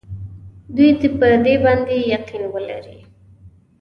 دوی دې په دې باندې یقین ولري.